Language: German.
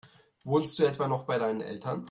Wohnst du etwa noch bei deinen Eltern?